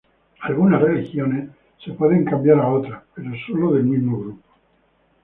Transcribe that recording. Algunas religiones se pueden cambiar a otra, pero solo del mismo grupo.